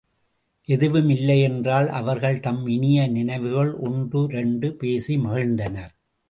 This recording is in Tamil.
எதுவும் இல்லையென்றால் அவர்கள் தம் இனிய நினைவுகள் ஒன்று இரண்டு பேசி மகிழ்ந்தனர்.